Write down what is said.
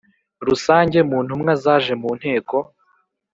Rusange mu ntumwa zaje mu nteko